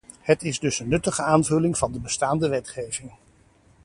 Het is dus een nuttige aanvulling van de bestaande wetgeving.